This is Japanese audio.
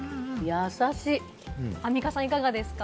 アンミカさん、いかがですか？